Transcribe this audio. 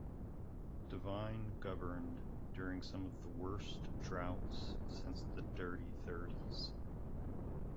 Devine governed during some of the worst droughts since the "Dirty Thirties".